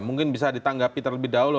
mungkin bisa ditanggapi terlebih dahulu